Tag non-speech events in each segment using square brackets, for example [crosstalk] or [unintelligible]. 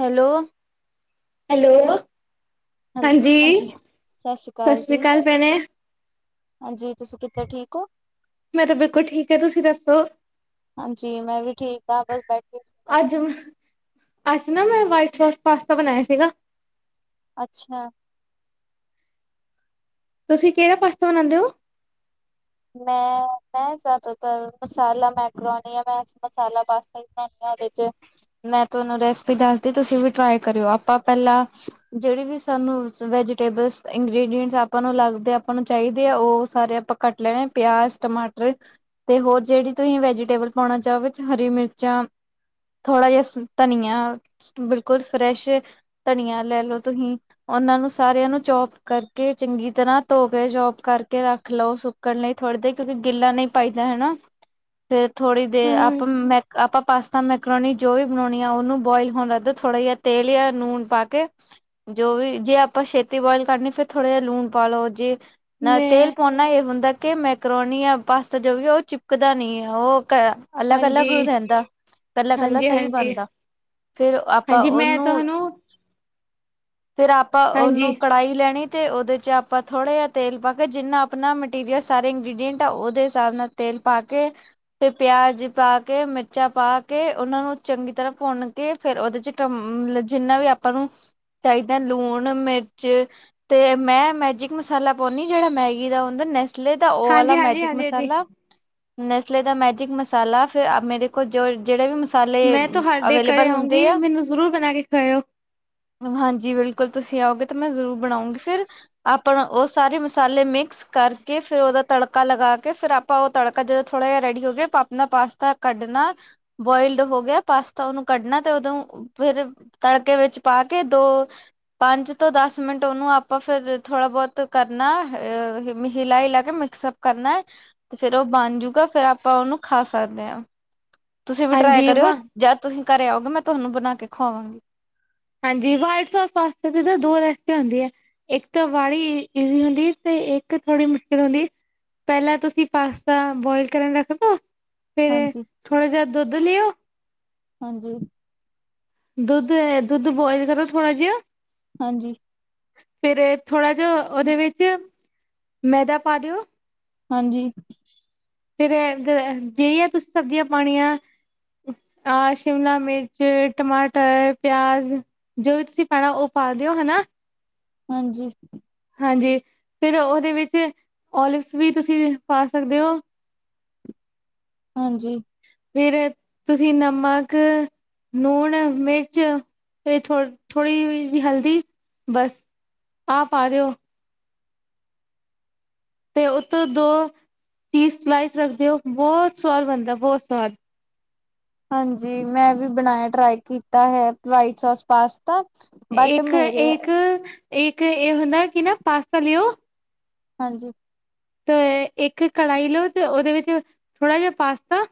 Hello. Hello ਹਾਂਜੀ ਸਤਿ ਸ਼੍ਰੀ ਅਕਾਲ ਭੈਣੇ। ਹਾਂਜੀ ਤੁਸੀਂ ਕਿੱਦਾਂ ਠੀਕ ਹੋ। ਮੈਂ ਤਾਂ ਬਿਲਕੁਲ ਠੀਕ ਆ ਤੁਸੀਂ ਦੱਸੋ। ਹਾਂਜੀ ਮੈਂ ਵੀ ਠੀਕ ਹਾਂ ਬਸ ਬੈਠੀ ਸੀ ਮੈਂ। ਅੱਜ ਅੱਜ ਨਾ ਮੈਂ ਵਾਈਟ ਸੋਸਟ ਪਾਸਤਾ ਬਣਾਇਆ ਸੀਗਾ। ਅੱਛਾ। ਤੁਸੀਂ ਕਿਹੜਾ ਪਾਸਤਾ ਬਨਾਉਂਦੇ ਹੋ? [unintelligible] ਬਣਾਦੀ ਆ ਉਹਦੇ ਚ। ਮੈਂ ਤੁਹਾਨੂੰ ਰੈਸਪੀ ਦੱਸਤੀ ਤੁਸੀਂ ਵੀ ਟਰਾਈ ਕਰਿਓ ਆਪਾਂ ਪਹਿਲਾਂ ਜਿਹੜੀ ਵੀ ਸਾਨੂੰ। ਵੈਜੀਟੇਬਲਸ ਇੰਗ੍ਰਡੀਅਂਟਸ ਆਪਾਂ ਨੂੰ ਲੱਗਦੇ ਆਪਾਂ ਨੂੰ ਚਾਹੀਦੇ ਆ ਉਹ ਸਾਰੇ ਆਪਾਂ ਕੱਟ। ਲੈ ਪਿਆਜ਼ ਟਮਾਟਰ। ਤੇ ਹੋਰ ਜਿਹੜੀ ਤੁਸੀਂ ਵੈਜੀਟੇਬਲ ਪਾਉਣਾ ਚਾਹੋ ਹਰੀ ਮਿਰਚਾਂ। ਥੋੜ੍ਹਾ ਜਿਹਾ ਧਨੀਆ ਬਿਲਕੁਲ ਫਰੈਸ਼ ਧਨੀਆ ਲੈ ਲੋ ਤੁਸੀਂ। ਉਹਨਾਂ ਨੂੰ ਸਾਰਿਆਂ ਨੂੰ ਚੋਪ ਕਰਕੇ ਚੰਗੀ ਤਰ੍ਹਾਂ ਧੋ ਕੇ ਚੋਪ ਕਰਕੇ ਰੱਖ ਲਓ ਸੁ। ਚੱਕਣ ਲਈ ਥੋੜ੍ਹੀ ਦੇਰ ਕਿਉਂਕਿ ਗਿੱਲਾ ਨਹੀਂ ਪਾਈਦਾ ਹਨਾ ਫੇਰ ਥੋੜ੍ਹੀ ਦੇਰ ਆਪਾਂ ਹਮ ਮੈਂ। ਆਪਾਂ ਪਾਸਤਾ ਮੈਕਰੋਨੀ ਜੋ ਵੀ ਬਣਾਉਣੀ ਆ ਉਹਨੂੰ ਬੋਇਲ ਹੋਣ ਲੱਗਦਾ ਥੋੜ੍ਹਾ ਜਿਹਾ ਤੇਲ ਜਾਂ ਲੂਣ ਪਾ ਕੇ। ਜੋ ਵੀ ਜੇ ਆਪਾਂ ਛੇਤੀ ਬੋਇਲ ਕਰਨੀ ਫੇਰ ਥੋੜ੍ਹਾ ਜਿਹਾ ਲੂਣ ਪਾਲਓ ਜੇ। ਨਾਲ ਮੈਂ ਤੇਲ ਪਾਉਨਾ ਨਾਲ ਇਹ ਹੁੰਦਾ। ਕਿ ਮੈਕਰੋਨੀ ਜਾ ਪਾਸਤਾ ਜੋ ਵੀ ਉਹ ਚਿਪਕਦਾ ਨੀ ਆ ਉਹ। ਅਲੱਗ-ਅਲੱਗ ਹਾਂਜੀ ਰਹਿੰਦਾ ਇਕੱਲਾ-ਇਕੱਲਾ ਹਾਂਜੀ ਸਹੀ ਹਾਂਜੀ ਬਣਦਾ। ਫੇਰ ਆਪਾਂ ਹਾਂਜੀ ਮੈਂ ਉਹਨੂੰ। ਤੁਹਾਨੂੰ ਫੇਰ ਆਪਾਂ ਉਨੂੰ ਹਾਂਜੀ ਕੜਾਈ ਲੈਣੀ। ਤੇ ਉਦੇ 'ਚ ਆਪਾਂ ਥੋੜਾ ਜਿਆ ਤੇਲ ਪਾ ਕੇ ਜਿੰਨਾ ਆਪਣਾ ਮਟੀਰੀਅਲ- ਸਾਰੇ ਇੰਗਰੀਡੀਅਂਟ ਆ ਓਦੇ ਸਾਬ ਨਾਲ ਤੇਲ ਪਾ ਕੇ। ਤੇ ਪਿਆਜ ਪਾ ਕੇ ਮਿਰਚਾਂ ਪਾ ਕੇ ਉਨਾਂ ਨੂੰ ਚੰਗੀ ਤਰ੍ਹਾਂ ਭੁੰਨ ਕੇ- ਫਿਰ ਉਦੇ 'ਚ ਟਮ ਜਿੰਨਾ ਵੀ ਆਪਾਂ ਨੂੰ ਚਾਈਦਾ ਲੂਣ, ਮਿਰਚ- ਤੇ ਮੈਂ ਮੈਜਿਕ ਮਸਾਲਾ ਪਾਉਣੀ ਜੇੜਾ ਮੈਗੀ ਦਾ ਹੰਦਾ ਨੈਸਲੇ ਤਾਂ ਓ ਹਾਂਜੀ ਅਲਾ ਹਾਂਜੀ ਮੈਜਿਕ ਹਾਂਜੀ ਜੀ ਮਸਾਲਾ ਨਸਲੇ ਦਾ ਮੈਜਿਕ ਮਸਾਲਾ ਫ਼ਿਰ ਆ ਮੇਰੇ ਕੋਲ ਜੇੜਾ ਵੀ ਮਸਾ- ਮਸਾਲੇ ਮੈਂ ਤੁਹਾਡੇ ਘਰੇ ਅਵੇਲੇਬਲ ਹੁੰਦੇ ਆਉਂਗੀ ਆ। ਮੈਨੂੰ ਜ਼ਰੂਰ ਬਣਾ ਕੇ ਖਵਾਇਓ ਹਾਂਜੀ ਬਿਲਕੁਲ ਤੁਸੀਂ ਆਓਗੇ ਤਾਂ ਮੈਂ ਜ਼ਰੂਰ ਬਣਾਉਂਗੀ ਫਿਰ। ਆਪਣਾ ਓ ਸਾਰੇ ਮਸਾਲੇ ਮਿਕਸ ਕਰਕੇ ਫੇਰ ਓਦਾ ਤੜਕ ਤੜਕਾ ਲਗਾ ਕੇ ਫੇਰ ਆਪਾਂ ਓ ਤੜਕਾ ਜਦੋਂ ਥੋੜਾ ਜਿਆ ਰੈਡੀ ਹੋ ਗਿਆ, ਆਪਾ ਆਪਣਾ ਪਾਸਤਾ ਕੱਢਣਾ- ਬੁਆਇਲਡ ਹੋ ਗਿਆ ਪਾਸਤਾ ਉਨੂੰ ਕੱਢਣਾ ਤੇ ਓਦੋਂ ਫਿਰ- ਤੜਕੇ ਵਿੱਚ ਪਾ ਕੇ ਦੋ- ਪੰਜ ਤੋਂ ਦਸ ਮਿੰਟ ਓਨੂੰ ਆਪਾਂ ਫੇਰ ਥੋੜਾ ਬੋਤ ਕਰਨਾ ਅ ਹਿਮੀ- ਹਿਲਾ ਹਿਲਾ ਕੇ ਮਿਕਸਅਪ ਕਰਨਾ। ਤੇ ਫੇਰ ਓ ਬਣ ਜੂਗਾ ਫੇਰ ਆਪਾਂ ਓਨੂੰ ਖਾ ਸਕਦੇ ਆਂ। ਤੁਸੀਂ ਵੀ ਟਰਾਏ ਹਾਂਜੀ ਕਰਿਓ ਵਾਹ ਜਦ ਤੁਸੀਂ ਘਰੇ ਆਓਗੇ ਮੈਂ ਤੁਨੂੰ ਬਣਾ ਕੇ ਖਵਾਵਾਂਗੀ। ਹਾਂਜੀ ਵਾਈਟ ਸੋਸ ਪਾਸਤੇ ਤੇ ਦੀਆਂ ਦੋ ਰੈਸਪੀਆਂ ਹੁੰਦੀਆਂ। [unintelligible] ਪਹਿਲਾਂ ਤੁਸੀਂ ਪਾਸਤਾ ਬੋਇਲ ਕਰਨ ਰੱਖ ਦੋ। ਹਾਂਜੀ। ਥੋੜ੍ਹਾ ਜਿਹਾ ਦੁੱਧ ਲਿਓ। ਹਾਂਜੀ। ਦੁੱਧ ਏ, ਦੁੱਧ ਬੋਆਇਲ ਕਰੋ ਥੋੜਾ ਜਿਹਾ। ਹਾਂਜੀ ਫਿਰ ਥੋੜਾ ਜਿਹਾ ਓਹਦੇ ਵਿੱਚ ਮੈਦਾ ਪਾ ਦਿਓ। ਹਾਂਜੀ ਫਿਰ ਏ ਜ ਜਿਰੀਆਂ ਤੁਸੀਂ ਸਬਜ਼ੀਆਂ ਪਾਣੀਆਂ। ਆ ਸ਼ਿਮਲਾ ਮਿਰਚ, ਟਮਾਟਰ, ਪਿਆਜ਼। ਜੋ ਵੀ ਤੁਸੀਂ ਪੈਣਾ ਓਹ ਪਾ ਦਿਓ ਹਨਾ। ਹਾਂਜੀ ਹਾਂਜੀ ਫਿਰ ਓਹਦੇ ਵਿੱਚ ਓਲਿਵਸ ਵੀ ਤੁਸੀਂ ਪਾ ਸਕਦੇ ਓ। ਹਾਂਜੀ ਫਿਰ ਤੁਸੀਂ ਨਮਕ- ਲੂਣ, ਮਿਰਚ ਏ ਥੋ ਥੋੜੀ ਜੀ ਹਲਦੀ ਬਸ। ਆ ਪਾ ਦਿਓ। ਤੇ ਉਤੋਂ ਦੋ ਚੀਸ ਸਲਾਈਸ ਰੱਖ ਦਿਓ ਬਹੁਤ ਸਵਾਦ ਬਣਦਾ, ਬਹੁਤ ਸਵਾਦ। ਹਾਂਜੀ ਮੈਂ ਵੀ ਬਣਾਇਆ ਟਰਾਈ ਕੀਤਾ ਹੈ ਵਾਈਟ ਸੋਸ ਪਾਸਤਾ। ਬਟ ਇੱਕ- ਮੇਰੇ ਇੱਕ- ਇੱਕ ਏ ਹੁੰਦਾ ਕਿ ਨਾ ਪਾਸਤਾ ਲਿਓ। ਹਾਂਜੀ ਤੇ ਇ ਇਕ ਕੜਾਈ ਲੋ ਤੇ ਓਦੇ ਵਿੱਚ ਥੋੜ੍ਹਾ ਜਿਆ ਪਾਸਤਾ।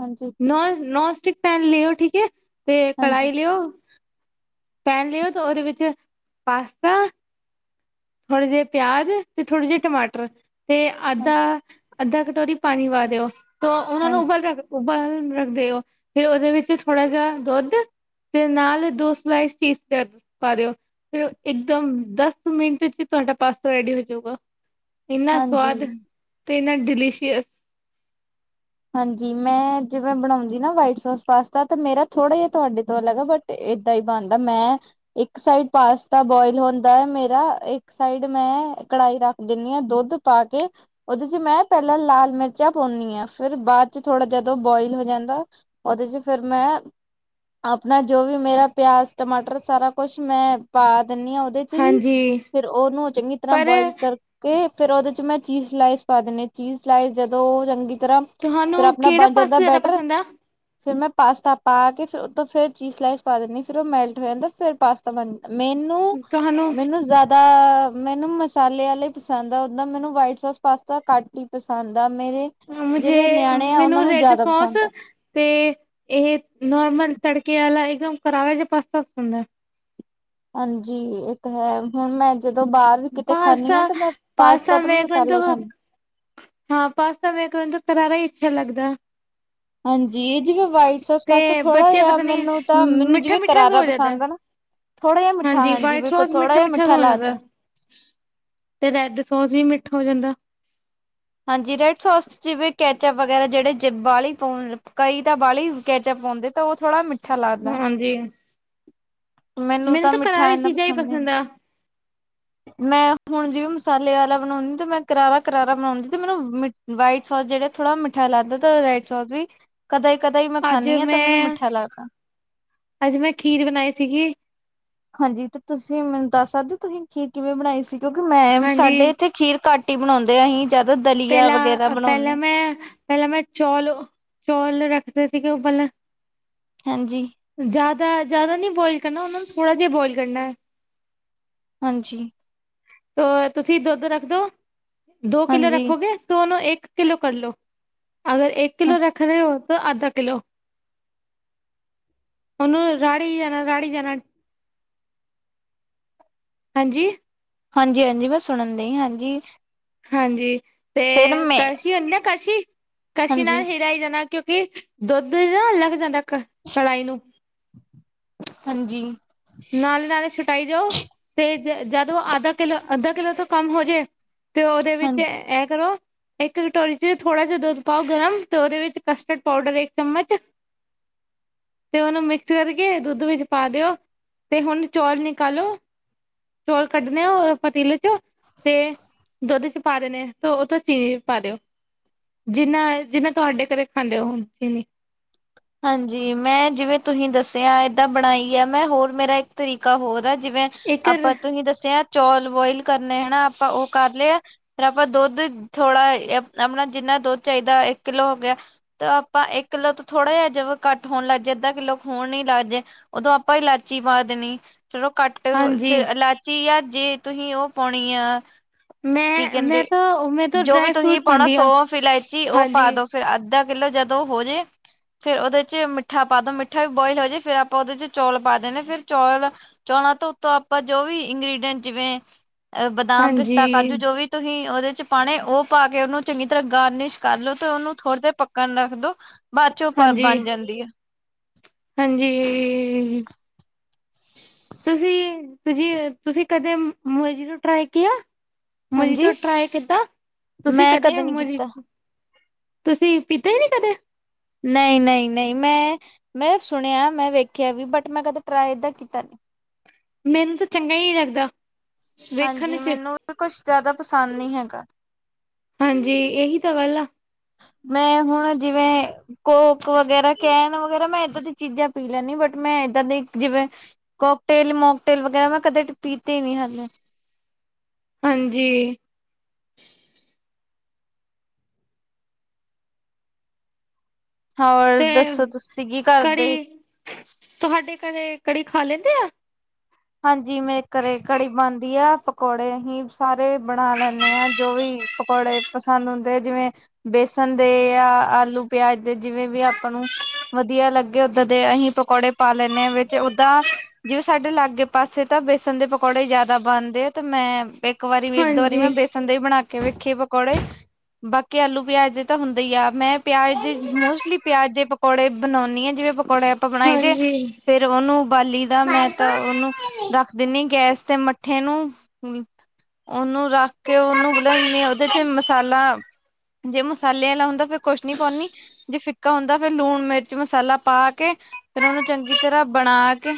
ਹਾਂਜੀ ਨੋਨਸਟਿਕ ਪੈਨ ਲਿਓ ਠੀਕ ਏ, ਤੇ ਹਾਂਜੀ, ਕੜਾਈ ਲਿਓ। ਪੈਨ ਲਿਓ ਤੇ ਓਹਦੇ ਵਿੱਚ ਪਾਸਤਾ ਥੋੜ੍ਹੇ ਜਿਹੇ ਪਿਆਜ ਤੇ ਥੋੜ੍ਹੇ ਜਿਹੇ ਟਮਾਟਰ ਤੇ ਹਾਂ ਅੱਧਾ- ਅੱਧਾ ਕਟੋਰੀ ਪਾਣੀ ਪਾ ਦਿਓ ਤੇ ਉਨਾ ਨੂੰ ਹਾਂਜੀ, ਉਬਲਣ- ਉਬਲਣ ਰੱਖ ਦਿਓ ਫਿਰ ਓਦੇ ਵਿੱਚ ਥੋੜਾ ਜਿਹਾ ਦੁੱਧ- ਤੇ ਨਾਲ ਦੋ ਸਲਾਈਸ ਚੀਸ ਕਰ ਪਾ ਦਿਓ। ਫਿਰ ਇੱਕਦਮ ਦਸ ਮਿੰਟ ਤੁਹਾਡਾ ਪਾਸਤਾ ਰੈਡੀ ਹੋ ਜਊਗਾ। ਏਨਾ ਸਵਾਦ ਹਾਂਜੀ। ਤੇ ਏਨਾ ਡਿਲੀਸ਼ੀਅਸ। ਹਾਂਜੀ ਮੈਂ ਜਿਵੇਂ ਬਣਾਉਂਦੀ ਨਾ ਵਾਈਟ ਸੋਸ ਪਾਸਤਾ ਤੇ ਮੇਰਾ ਥੋੜ੍ਹਾ ਜਿਹਾ ਤੁਹਾਡੇ ਤੋਂ ਅਲੱਗ ਆ ਬਟ ਤੇ ਏਦਾਂ ਈ ਬਣਦਾ ਮੈਂ। ਇੱਕ ਸਾਈਡ ਪਾਸਤਾ ਬੁਆਇਲ ਹੁੰਦਾ ਹੈ ਮੇਰਾ। ਇੱਕ ਸਾਈਡ ਮੈਂ ਕੜਾਈ ਰੱਖ ਦਿੰਦੀ ਹਾਂ ਦੁੱਧ- ਪਾ ਕੇ, ਉਹਦੇ ਚ ਮੈਂ ਪਹਿਲਾਂ ਲਾਲ ਮਿਰਚਾਂ ਪਾਉਂਨੀਂ ਹਾਂ। ਫਿਰ ਬਾਅਦ ਚ ਥੋੜਾ ਜਦ ਉਹ ਬੋਆਇਲ ਹੋ ਜਾਂਦਾ, ਉਹਦੇ ਚ ਫਿਰ ਮੈਂ ਆਪਣਾ ਜੋ ਵੀ ਮੇਰਾ ਪਿਆਜ਼, ਟਮਾਟਰ ਸਾਰਾ ਕੁਛ ਮੈਂ ਪਾ ਦਿੰਦੀ ਹਾਂ। ਉਹਦੇ ਜੀ, ਹਾਂਜੀ ਫਿਰ ਉਹਨੂੰ ਚੰਗੀ ਤਰਾਂ ਪਰ ਬੋਇਲ ਕਰ। ਤੇ ਫੇਰ ਉਹਦੇ ਚ ਮੈਂ ਚੀਜ਼ ਸਲਾਈਸ ਪਾ ਦਿੰਦੀ, ਚੀਜ਼ ਸਲਾਈਸ ਜਦੋਂ ਉਹ ਚੰਗੀ ਤਰਾਂ ਫਿਰ ਤੁਹਾਨੂੰ ਆਪਨਾ ਕਿਹੜਾ ਬਣ ਪਾਸਤਾ ਜਾਂਦਾ ਜ਼ਿਆਦਾ ਬੈਟਰ। ਪਸੰਦ ਆ ਫੇਰ ਮੈਂ ਪਾਸਤਾ ਪਾ ਕੇ, ਫਿਰ ਉਹਤੋ ਫਿਰ ਚੀਜ਼ ਸਲਾਈਸ ਪਾ ਦਿੰਦੀ ਹਾਂ। ਫਿਰ ਉਹ ਮੈਲਟ ਹੋ ਜਾਂਦਾ। ਫਿਰ ਪਾਸਤਾ ਬਨ ਜ ਤੁਹਾਨੂੰ ਮੈਨੂੰ-ਮੈਨੂੰ ਜ਼ਿਆ ਦਾ ਮੈਨੂੰ ਮਸਾਲੇ ਵਾਲੇ ਪਸੰਦ ਆ, ਓਹਦਾਂ ਮੈਨੂੰ ਵਾਈਟ ਸੋਸ ਪਾਸਤਾ ਘੱਟ ਹੀ ਪਸੰਦ ਆ। ਮੇਰੇ ਮੰਮੀ ਜੀ, ਜਿਹੜੇ ਨਿਆਣੇ ਆ ਮੈਨੂੰ ਉਹਨਾਂ ਨੂੰ ਰੈਡ ਜ਼ਿਆਦਾ ਸੋਸ ਪਸੰਦ ਆ ਤੇ, ਇਹ ਨੋਰਮਲ ਤੜਕੇ ਵਾਲਾ, ਇਕਦਮ ਕਰਾਰਾ ਜਿਹਾ ਪਾਸਤਾ ਪਸੰਦ ਹੈ। ਹਾਂਜੀ ਇਹ ਤਾ ਹੈ, ਹੁਣ ਮੈਂ ਜਦੋ ਬਾਹਰ [unintelligible] ਕਿਤੇ ਖਾਂਦੀ ਆ ਪਾਸਤਾ ਤੇ ਮੈਂ ਪਾਸਤਾ ਤੇ ਮੈਂ ਕਣ ਤੋਂ ਮਸਾਲਾ ਹੀ ਖਾਂਦੀ। ਹਾਂ ਪਾਸਤਾ ਮੈਂ ਕਹਿੰਦੀ ਹਾਂ, ਕਰਾਰਾ ਹੀ ਅੱਛਾ ਲੱਗਦਾ ਏ। ਹਾਂਜੀ ਜਿਵੇਂ ਵਾਈਟ ਸੋਸ ਪਾਸਤਾ ਥੋੜਾ ਬੱਚੇ ਜਿਹਾ ਪਤਾ ਨੀ ਮੈਨੂੰ ਤਾ, ਮੈਨੂੰ ਮਿੱਠਾ ਜਿਵੇ ਮਿੱਠਾ ਕਰਾਰਾ ਹੋ ਜਾਂਦਾ। ਪਸੰਦ ਆ ਨਾ। ਥੋੜਾ ਜਿਹਾ ਮਿੱਠਾ, ਹਾਂਜੀ ਵਾਈਟ ਬਿਲਕੁਲ ਸੌਸ ਥੋੜਾ ਜਿਹਾ ਮਿੱਠਾ ਹੋ ਲਾ ਤਾ ਜਾਂਦਾ ਤੇ ਰੈਡ ਸੋਸ ਵੀ ਮਿੱਠਾ ਹੋ ਜਾਂਦਾ। ਹਾਂਜੀ ਰੈਡ ਸੋਸ ਜਿਵੇਂ ਕੈਚ ਵਗੈਰਾ ਜੇੜੇ ਬਾਅਲੀ ਪੋਣ ਕਈ ਤਾਂ ਬਾਹਲੀ ਕੈਚਪ ਪਾਉਂਦੇ। ਤੇ ਓ ਥੋੜਾ ਮਿਠ- ਹਾਂਜੀ, ਮੈਨੂੰ ਤਾਂ ਤਾ ਮਿੱਠਾ ਕਰਾਰੀ ਇੰਨਾ ਚੀਜਾਂ ਹੀ ਨਹੀਂ ਪਸੰਦ ਆ। ਮੈਂ ਹੁਣ ਜਿਵੇਂ ਮਸਾਲੇ ਵਾਲਾ ਬਣਾਉਂਦੀ ਤੇ ਮੈਂ ਕਰਾਰਾ-ਕਰਾਰਾ ਬਣਾਉਂਦੀ, ਤੇ ਮੈਨੂੰ ਮਿ ਵਾਈਟ ਸੋਸ ਜਿਹੜਾ ਥੋੜਾ ਮਿੱਠਾ ਲਗਦਾ, ਤੇ ਰੈੱਡ ਸੋਸ ਵੀ। ਕਦੇ ਕਦੇ ਹੀ ਮੈਂ ਅੱਜ ਖਾਂਨੀਂ ਹਾਂ, ਤੇ ਮੈਨੂੰ ਮੈਂ ਮਿੱਠਾ ਲੱਗਦਾ। ਅੱਜ ਮੈਂ ਖੀਰ ਬਣਾਈ ਸੀਗੀ। ਹਾਂਜੀ ਤੇ ਤੁਸੀਂ ਮੈਨੂੰ ਦੱਸ ਸਕਦੇ ਹੋ, ਤੁਸੀਂ ਖੀਰ ਕਿਵੇਂ ਬਣਾਈ ਸੀ? ਕਿਉਂਕਿ ਮੈਮ ਸਾਡੇ ਹਾਂਜੀ ਇੱਥੇ ਖੀਰ ਘੱਟ ਹੀ ਬਣਾਉਂਦੇ ਹੈਂ, ਅਸੀਂ ਜਿਆਦਾ ਦਲੀਆ ਵਗੈਰਾ ਪਹਿਲਾਂ ਬਣਾਉਂਨੇ ਪਹਿਲਾਂ ਆਂ। ਮੈਂ ਪਹਿਲਾਂ ਮੈਂ ਚੌਲ-ਚੌਲ ਰੱਖ ਤੇ ਸੀਗੇ ਉਬੱਲਨੇ। ਹਾਂਜੀ। ਜਿਆਦਾ ਜਿਆਦਾ ਨੀ ਬੁਆਇਲ ਕਰਨਾ ਉਹਨਾਂ ਨੂੰ, ਥੋੜਾ ਜਿਹਾ ਬੋਆਇਲ ਕਰਨਾ ਏ। ਹਾਂਜੀ। ਆ ਤੁਸੀ ਦੁੱਧ ਰੱਖ ਦੋ। ਦੋ ਕਿੱਲੋ ਹਾਂਜੀ ਰੱਖੋਗੇ, ਤੇ ਉਹਨੂੰ ਇੱਕ ਕਿੱਲੋ ਕਰ ਲੋ। ਅਗਰ ਇੱਕ ਕਿਲੋ ਰੱਖ ਰਹੇ ਹੋ, ਤੇ ਅੱਧਾ ਕਿਲੋ। ਉਹਨੂੰ ਰਾੜੀ ਜਾਣਾ, ਰਾੜੀ ਜਾਣਾ। ਹਾਂਜੀ। ਹਾਂਜੀ-ਹਾਂਜੀ, ਮੈਂ ਸੁਣਨ ਦਈਂ ਹਾਂਜੀ। ਹਾਂਜੀ! ਤੇ ਫਿਰ ਮੈਂ ਕੜਛੀ ਹੁੰਦੀ ਨਾ, ਕੜਛੀ ਨਾਲ ਹਾਂਜੀ ਹਿਲਾਈ ਜਾਣਾ। ਕਿਉਂਕਿ ਦੁੱਧ ਵੀ ਨਾ ਲੱਗ ਜਾਂਦਾ ਕ, ਕੜਾਹੀ ਨੂੰ। ਹਾਂਜੀ। ਨਾਲ ਹੀ ਨਾਲੇ ਛੁਟਾਈ ਜਾਓ, ਤੇ ਜਦ ਉਹ ਆਧਾ ਕਿੱਲੋ, ਅੱਧਾ ਕਿੱਲੋ ਤੋ ਕੰਮ ਹੋ ਜੇ। ਤੇ ਉਹਦੇ ਹਾਂਜੀ ਵਿੱਚ ਇਂਹ ਕਰੋ। ਇੱਕ ਕਟੋਰੀ ਚ ਹੀ ਥੋੜਾ ਜਿਹਾ ਦੁੱਧ ਪਾਓ ਗਰਮ, ਤੇ ਉਹਦੇ ਵਿੱਚ ਕਸਟਰਡ ਪਾਊਡਰ ਇੱਕ ਚਮਚ। ਤੇ ਉਹਨੂੰ ਮਿਕਸ ਕਰਕੇ ਦੁੱਧ ਵਿੱਚ ਪਾ ਦਿਓ। ਤੇ ਹੁਣ ਚੌਲ ਨਿਕਾਲੋ, ਚੌਲ ਕੱਢਣੇ ਆ ਓਹ ਪਤੀਲੇ ਚੋਂ ਤੇ ਦੁੱਧ ਚ ਪਾ ਦੇ ਨੇ ਆ, ਤੇ ਉਹ ਤੇ ਚੀਨੀ ਵੀ ਪਾ ਦਿਓ। ਜਿੰਹਨਾਂ ਇਹ ਜਿੰਹਨਾਂ ਤੁਹਾਡੇ ਘਰੇ ਖਾਂਦੇ ਹੋ ਓਹ ਚੀਨੀਂ। ਹਾਂਜੀ, ਮੈਂ ਜਿਵੇਂ ਤੁਸੀਂ ਦੱਸਿਆ ਐ, ਇਹਦਾਂ ਬਣਾਈ ਆ ਮੈਂ। ਹੋਰ ਮੇਰਾ ਇੱਕ ਤਰੀਕਾ ਹੋਰ ਆ। ਜਿਵੇਂ ਇੱਕ ਆਪਾਂ ਤੁਸੀਂ ਦੱਸਿਆ ਚੌਲ ਬੋਇਲ ਕਰਨੇ ਹਨਾ ਆਪਾਂ ਉਹ ਕਰ ਲਏ ਆ। ਫਿਰ ਆਪਾਂ ਦੁੱਧ ਥੋੜਾ ਆਪਣਾ ਜਿੰਨਾ ਦੁੱਧ ਚਾਹੀਦਾ ਇੱਕ ਕਿੱਲੋ ਹੋ ਗਿਆ। ਤਾਂ ਆਪਾਂ ਇੱਕ ਕਿਲੋ ਦੁੱਧ। ਥੋੜ੍ਹਾ ਜਿਹਾ ਜ ਘੱਟ ਹੋਣ ਲੱਗ ਜਾਏ ਅੱਧਾ ਕਿੱਲੋ ਖਹੋਣ ਨੀ ਲੱਗ ਜਾਏ ਉਦੋਂ ਆਪਾਂ ਇਲਾਚੀ ਪਾ ਦੇਣੀ। ਚਲੋ ਕੱਟ ਹਾਂਜੀ ਫਿਰ ਇਲਾਇਚੀ ਜਾਂ ਜੇ ਤੁਸੀਂ ਉਹ ਪਾਉਣੀ ਆ। ਕੀ ਮੈਂ-ਮੈਂ ਕਹਿੰਦੇ ਤਾਂ ਮੈਂ ਤਾਂ ਜੋ ਵੀ ਡਰਾਈ ਤੁਸੀਂ ਫਰੂਟ ਪਾਉਣਾ ਪਾਉਂਦੀ ਆ ਸੋਵਫ, ਇਲਾਇਚੀ ਉਹ ਪਾ ਦਿਓ। ਫਿਰ ਅੱਧਾ ਕਿੱਲੋ ਜਦੋਂ ਹੋ ਜਾਏ। ਫਿਰ ਉਹਦੇ ਚ ਮਿੱਠਾ ਪਾ ਦੋ ਮਿੱਠਾ ਵੀ ਬੋਇਲ ਹੋ ਜਾਏ ਫਿਰ ਆਪਾਂ ਉਹਦੇ ਚ ਚੌਲ ਪਾ ਦਿੰਦੇ ਫਿਰ ਚੌਲ। ਚਾਹੁੰਣਾ ਤਾਂ ਉੱਤੋਂ ਆਪਾਂ ਜੋ ਵੀ ਇੰਗਰੀਡੀਐਟ ਜਿਵੇਂ ਅ ਬਦਾਮ ਪਿਸਤਾ ਹਾਂਜੀ-ਹਾਂਜੀ ਕਾਜੂ ਜੋ ਵੀ। ਤੁਸੀਂ ਉਹਦੇ ਚ ਪਾਣੇ ਉਹ ਪਾ ਕੇ ਉਹਨੂੰ ਚੰਗੀ ਤਰ੍ਹਾਂ ਗਾਰਨਿਸ਼ ਕਰ ਲੋ ਤੇ ਉਹਨੂੰ ਥੋੜੇ ਦੇਰ ਪਕ। ਪੱਕਣ ਰੱਖ ਦਿਓ ਬਾਅਦ ਚੋਂ ਉਹ ਹਾਂਜੀ, ਬਣ ਜਾਂਦੀ ਹੈ। ਹਾਂਜੀ ਤੁਸੀਂ ਤੁਸੀ ਤੁਸੀਂ ਕਦੇ ਮੋਜੀਤੋਂ ਟਰਾਈ ਕਿਆ। ਹਾਂਜੀ ਮਜੀਤੋਂ ਟਰਾਏ ਕੀਤਾ ਤੁਸੀਂ ਮੈਂ ਕਦੇ ਨੀ ਕੀਤਾ ਮੋਜਿਤੋ। ਤੁਸੀਂ ਪੀਤਾ ਹੀ ਨੀ ਕਦੇ? ਨਹੀਂ, ਨਹੀਂ, ਨਹੀਂ ਮੈਂ ਮੈਂ ਸੁਣਿਆ ਮੈਂ ਵੇਖਿਆ ਵੀ ਬਟ ਮੈਂ ਕਦੇ ਟਰਾਈ ਕੀਤਾ ਨੀ। ਮੈਨੂੰ ਤਾਂ ਚੰਗਾ ਹੀ ਨਹੀਂ ਲੱਗਦਾ। ਵੇਖਣ ਹਾਂਜੀ, ਚ ਮੈਨੂੰ ਤਾਂ ਕੁਛ ਜ਼ਿਆਦਾ ਪਸੰਦ ਨਹੀਂ ਹੈਗਾ। ਹਾਂਜੀ, ਇਹੀ ਤਾਂ ਗੱਲ ਆ। ਮੈਂ ਹੁਣ ਜਿਵੇਂ। ਕੋਕ ਵਗੈਰਾ, ਕੈਨ ਵਗੈਰਾ, ਮੈਂ ਇਹਦਾਂ ਦੀ ਚੀਜਾਂ ਪੀ ਲੈਂਨੀਂ ਹਾਂ। ਬਟ ਮੈਂ ਇਹਦਾਂ ਦੇ ਜਿਵੇਂ ਕੋਕਟੇਲ, ਮੋਕਟੇਲ ਵਗੈਰਾ ਮੈਂ ਕਦੇ ਤੇ ਪੀਤੀ ਹੀ ਨਹੀਂ ਹਲੇ। ਹਾਂਜੀ। ਹੋਰ ਤੇ ਦੱਸੋ, ਤੁਸੀ ਕੀ ਕਰਦੇ? ਕੜੀ ਤੁਹਾਡੇ ਘਰੇ ਕੜੀ ਖਾ ਲੈਂਦੇ ਐਂ। ਹਾਂਜੀ ਮੇਰੇ ਘਰੇ ਕੜੀ ਬਣਦੀ ਆ। ਪਕੌੜੇ ਅਸੀਂ ਸਾਰੇ ਬਣਾ ਲੈਂਨੇਂਆਂ, ਜੋ ਵੀ ਪਕੌੜੇ ਪਸੰਦ ਹੁੰਦੇ, ਜਿਵੇਂ ਬੇਸਣ ਦੇ ਜਾਂ ਆਲੂ ਪਿਆਜ ਦੇ ਜਿਵੇਂ ਵੀ ਆਪਾਂ ਨੂੰ ਵਧੀਆ ਲੱਗੇ ਉਦਾਂ ਦੇ ਅਸੀਂ ਪਕੌੜੇ ਪਾ ਲੈਂਣੇ ਹਾਂ ਵਿੱਚ ਓਦਾਂ ਜਿਵੇਂ ਸਾਡੇ ਲਾਗੇ ਪਾਸੇ ਤਾਂ ਬੇਸਨ ਦੇ ਪਕੌੜੇ ਹੀ ਜਿਆਦਾ ਬਣਦੇ ਆ ਤੇ ਮੈਂ ਇੱਕ ਵਾਰੀ ਵੀ ਇੱਕ ਦੋ ਵਾਰੀ ਹਾਂਜੀ, ਮੈਂ ਬੇਸਨ ਦੇ ਹੀ ਬਣਾ ਕੇ ਵੇਖੀ ਪਕੌੜੇ। ਬਾਕੀ ਆਲੂ ਪਿਆਜ ਦੇ ਤਾਂ ਹੁੰਦੇ ਹੀ ਆ ਮੈਂ ਪਿਆਜ ਦੇ ਮੋਸਟਲੀ ਪਿਆਜ ਦੇ ਪਕੌੜੇ ਬਣਾਉਦੀ ਹਾਂ ਜਿਵੇਂ ਪਕੌੜੇ ਆਪਾਂ ਬਣਾਈ ਦੇ ਹਾਂਜੀ, ਫੇਰ ਉਹਨੂੰ ਉਬਾਲੀ ਦਾ ਮੈਂ ਤਾਂ ਉਹਨੂੰ ਰੱਖ ਦਿੰਨੀ ਗੈਸ ਤੇ ਮੱਠੇ ਨੂੰ ਹੂੰ ਉਹਨੂੰ ਰੱਖ ਕੇ ਉਹਨੂੰ ਬਲਦੇ ਉਹਦੇ ਚ ਮਸਾਲਾ ਜੇ ਮਸਾਲੇ ਵਾਲਾ ਹੁੰਦਾ ਫਿਰ ਕੁਛ ਨਹੀਂ ਪਾਉਣੀ ਜੇ ਫਿੱਕਾ ਹੁੰਦਾ ਫੇਰ ਲੂਣ ਮਿਰਚ ਮਸਾਲਾ ਪਾ ਕੇ ਫੇਰ ਉਹਨੂੰ ਚੰਗੀ ਤਰ੍ਹਾਂ ਬਣਾ ਕੇ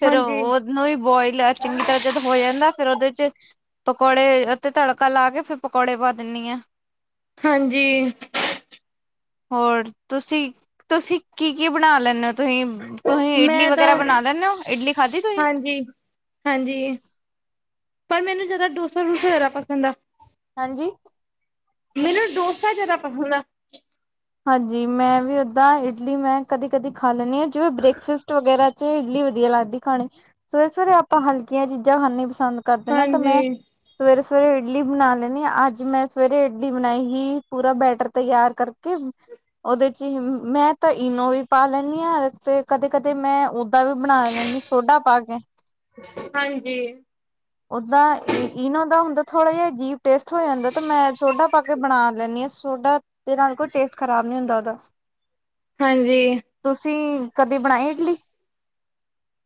ਫੇਰ ਹਾਂਜੀ, ਉਹਨੂੰ ਵੀ ਬੋਇਲ ਚੰਗੀ ਤਰ੍ਹਾਂ ਜਦੋਂ ਹੋ ਜਾਂਦਾ ਫੇਰ ਉਹਦੇ ਚ ਪਕੌੜੇ ਤੇ ਤੜਕਾ ਲਾ ਕੇ ਫਿਰ ਪਕੌੜੇ ਪਾ ਦਿੰਣੀ ਆ। ਹਾਂਜੀ। ਹੋਰ ਤੁਸੀਂ ਤੁਸੀਂ ਕੀ ਕੀ ਬਣਾ ਲੈਂਦੇ ਹੋ ਤੁਸੀਂ ਤੁਸੀਂ ਇਡਲੀ ਮੈਂ ਤਾਂ ਵਗੈਰਾ ਬਣਾ ਲੈਣੇ ਹੋ। ਇਡਲੀ ਖਾਧੀ ਤੁਸੀਂ ਹਾਂਜੀ ਹਾਂਜੀ ਪਰ ਮੈਨੂੰ ਜ਼ਿਆਦਾ ਡੋਸਾ ਡੂਸਾ ਜ਼ਿਆਦਾ ਪਸੰਦ ਆ। ਹਾਂਜੀ। ਮੈਨੂੰ ਡੋਸਾ ਜ਼ਿਆਦਾ ਪਸੰਦ ਆ। ਹਾਂਜੀ ਮੈਂ ਵੀ ਓਦਾਂ ਇਡਲੀ ਮੈਂ ਕਦੀ ਕਦੀ ਖਾ ਲੈਂਣੀ ਹਾਂ ਜਿਵੇਂ ਬ੍ਰੇਕਫਾਸਟ ਵਗੈਰਾ ਤੇ ਇਡਲੀ ਵਧੀਆ ਲੱਗਦੀ ਖਾਣੀ ਸਵੇਰੇ ਸਵੇਰੇ ਆਪਾਂ ਹਲਕੀਆਂ ਚੀਜ਼ਾਂ ਖਾਣੀ ਪਸੰਦ ਕਰਦੇ ਨਾ ਤੇ ਹਾਂਜੀ। ਮੈਂ ਸਵੇਰੇ ਸਵੇਰੇ ਇਡਲੀ ਬਣਾ ਲੈਣੀ ਅੱਜ ਮੈਂ ਸਵੇਰੇ ਇਡਲੀ ਬਣਾਈ ਹੀ ਪੂਰਾ ਬੈਟਰ ਤਿਆਰ ਕਰਕੇ ਕਿ ਉਹਦੇ ਚ ਹੀ ਮੈਂ ਤਾਂ ਇਨੋ ਵੀ ਪਾ ਲੈਂਣੀ ਹਾਂ ਤੇ ਕਦੇ ਕਦੇ ਮੈਂ ਉਦਾ ਵੀ ਬਣਾ ਲੈਂਦੀ ਆ ਸੋਡਾ ਪਾ ਕੇ ਹਾਂਜੀ। ਓਦਾਂ ਇਨੋ ਦਾ ਹੁੰਦਾ ਥੋੜਾ ਜਿਹਾ ਜੀਪ ਟੇਸਟ ਹੋ ਜਾਂਦਾ ਤੇ ਮੈਂ ਸੋਡਾ ਪਾ ਕੇ ਬਣਾ ਲੈਂਣੀ ਹਾਂ ਸੋਡਾ ਦੇ ਨਾਲ ਕੋਈ ਟੇਸਟ ਖ਼ਰਾਬ ਨਹੀਂ ਹੁੰਦਾ ਉਹਦਾ। ਹਾਂਜੀ। ਤੁਸੀਂ ਕਦੇ ਬਣਾਈ ਇਡਲੀ।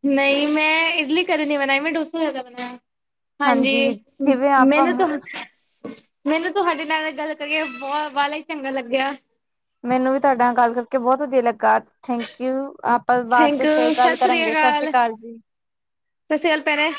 ਨਈ ਮੈਂ ਇਡਲੀ ਕਦੇ ਨੀ ਬਣਾਈ ਮੈਂ ਡੋਸਾ ਜਿਆਦਾ ਬਣਾਇਆ। ਹਾਂਜੀ ਜਿਵੇਂ ਆਪਾਂ ਮੈਨੂੰ ਤੁਹਾਡੇ ਨਾਲ ਗੱਲ ਕਰੀਏ ਬਹੁ ਵਾਲਾ ਈ ਚੰਗਾ ਲੱਗਿਆ। ਮੈਨੂੰ ਵੀ ਤੁਹਾਡੇ ਨਾਲ ਗੱਲ ਕਰਕੇ ਬਹੁਤ ਵਧੀਆ ਲੱਗਾ ਥੈਂਕ ਯੂ ਆਪ ਆਪਾਂ ਬਾਅਦ ਥੈਂਕ 'ਚ ਫੇਰ ਯੂ, ਸਤਿ ਗੱਲ ਸ੍ਰੀ ਕਰਾਂਗੇ ਸਤਿ ਸ਼੍ਰੀ ਅਕਾਲ ਜੀ। ਸਤਿ ਸ਼੍ਰੀ ਅਕਾਲ ਭੈਣੇ।